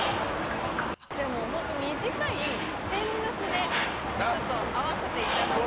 じゃあもう本当短い「天むす」でちょっと合わせていただいて。